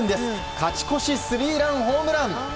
勝ち越しスリーランホームラン！